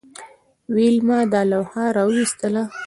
ویلما دا لوحه راویستله